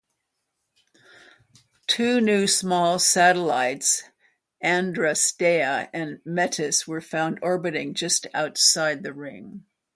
Two new, small satellites, Adrastea and Metis, were found orbiting just outside the ring.